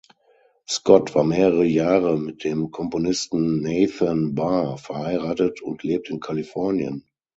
Scott war mehrere Jahre mit dem Komponisten Nathan Barr verheiratet und lebt in Kalifornien.